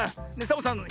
サボさん